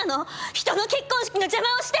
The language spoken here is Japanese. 人の結婚式の邪魔をして！